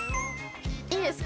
いいですか？